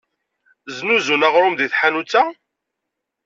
Zznuzun aɣrum deg tḥanut-a?